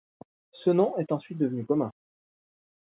Ce nom est ensuite devenu commun.